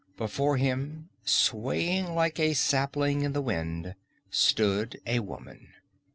Before him, swaying like a sapling in the wind, stood a woman.